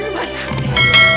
di rumah sakit